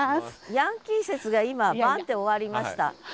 ヤンキー説が今バンって終わりました。